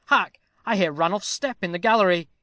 Hark! I hear Ranulph's step in the gallery.